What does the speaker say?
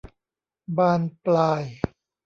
บานปลาย